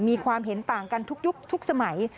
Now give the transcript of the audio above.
มีความเห็นต่างกันทุกยุคทุกสมัย